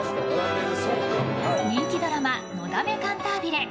人気ドラマ「のだめカンタービレ」。